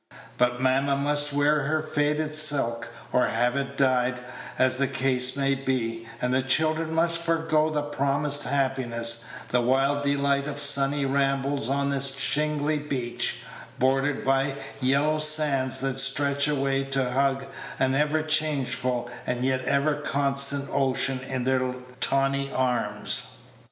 But mamma must wear her faded silk, or have it dyed, as the case may be; and the children must forego the promised happiness, the wild delight of sunny rambles on a shingly beach, bordered by yellow sands that stretch away to hug an ever changeful and yet ever constant ocean in their tawny arms.